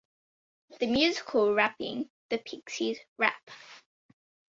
The Musical", rapping the "Pixes Rap".